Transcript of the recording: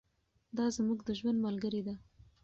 دا زموږ د ژوند ملګرې ده.